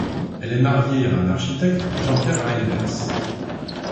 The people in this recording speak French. Elle est mariée à un architecte, Jean-Pierre Reynders.